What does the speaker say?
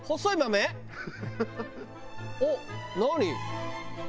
おっ何？